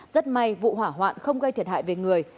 rất may vụ hỏa hoạn không gây thiệt hại về người